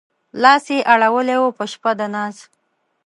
لاس يې اړولی و په شپه د ناز